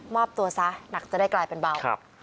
อบตัวซะหนักจะได้กลายเป็นเบา